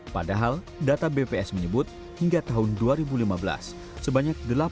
padahal data bps menyebut hingga tahun dua ribu lima belas sebanyak delapan